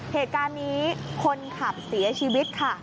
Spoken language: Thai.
เหตุการณ์นี้คนขับเสียชีวิตค่ะ